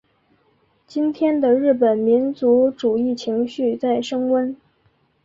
今天的日本民族主义情绪在升温。